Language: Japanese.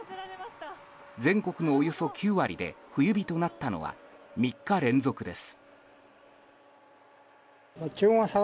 全国のおよそ９割で冬日となったのは３日連続です。